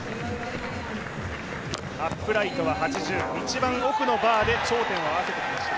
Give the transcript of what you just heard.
アップライトは８０、一番奥のバーで頂点を合わせてきました。